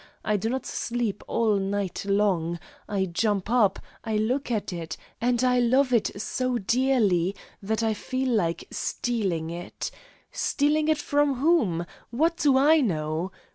I do not sleep all night long, I jump up, I look at it, and I love it so dearly that I feel like stealing it. Stealing it from whom? What do I know?